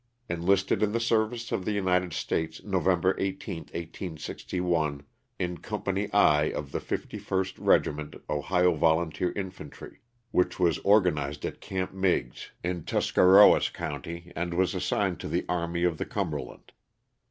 Enlisted in the service of the United States, November 18, 1861, in Company I of the 51st Regiment Ohio Volunteer Infantry, which was organized at Camp Meigs," in Tuscarawas county, and was assigned to the Army of the Cumberland.